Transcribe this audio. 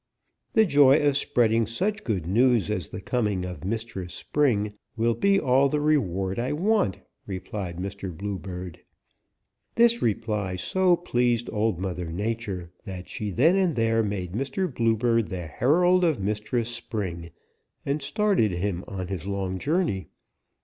"'The joy of spreading such good news as the coming of Mistress Spring will be all the reward I want,' replied Mr. Bluebird. "This reply so pleased Old Mother Nature that she then and there made Mr. Bluebird the herald of Mistress Spring and started him on his long journey.